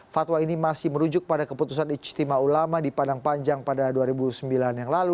fatwa ini masih merujuk pada keputusan istimewa ulama di padang panjang pada dua ribu sembilan yang lalu